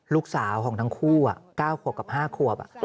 ลูกสาวของทั้งคู่อ่ะ๙ควบกับ๕ควบอ่ะ